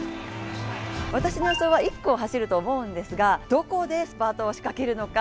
私の予想は１区を走ると思うんですがどこでスパートを仕掛けるのか